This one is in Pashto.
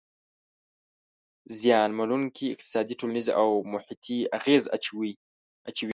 زیانمنووونکي اقتصادي، ټولنیز او محیطي اغیز اچوي.